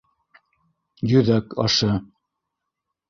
Йөҙәк ашы